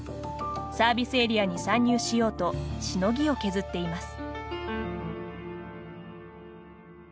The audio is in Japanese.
サービスエリアに参入しようとしのぎを削っています。